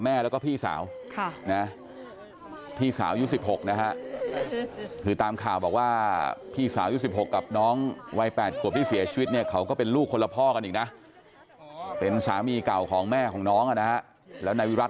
เมื่อเธอพูดถ้าเราได้เจอเขาอีกครั้งจะบอกเขายังไงบ้างมั้ย